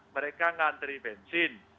mereka ngantri bensin